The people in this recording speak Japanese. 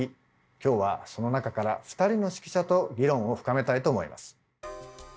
今日はその中から２人の識者と議論を深めたいと思います。